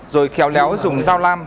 rồi khéo léo dùng dao lam